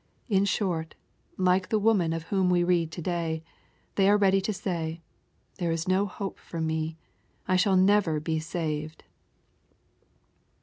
In short, like the woman of whom we read to day, they are ready to say, " There is no hope for me. I shall never be saved."